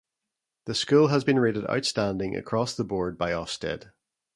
The school has been rated "outstanding" across the board by Ofsted.